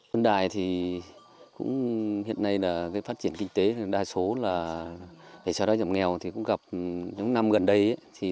hôm nay thì cũng hiện nay là cái phát triển kinh tế đa số là để cho ra trồng nghèo thì cũng gặp những năm gần đây